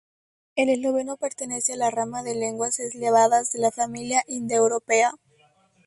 El esloveno pertenece a la rama de lenguas eslavas de la familia indoeuropea.